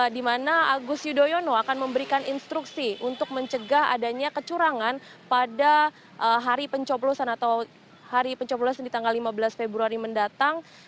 di mana agus yudhoyono akan memberikan instruksi untuk mencegah adanya kecurangan pada hari pencoblosan atau hari pencoblosan di tanggal lima belas februari mendatang